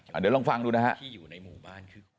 อ่าเดี๋ยวลองฟังดูนะฮะ